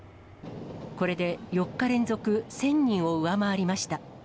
これで４日連続１０００人を上回りました。